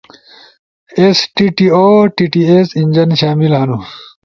ایس ٹی ٹی اؤ ٹی ٹی ایس انجن شامل ہنو۔